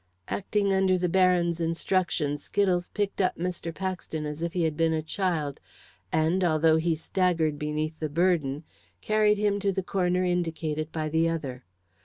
Acting under the Baron's instructions, Skittles picked up Mr. Paxton as if he had been a child, and although he staggered beneath the burden carried him to the corner indicated by the other.